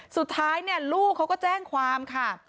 สุดท้ายลูกเขาก็แจ้งความค่ะ